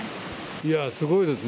いや、すごいですね